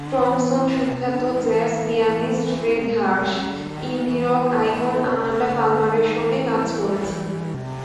Thomson সুখ্যাত jazz pianist Fred Harsh, indie rock icon Amanda পালমারের সঙ্গে কাজ করেছেন।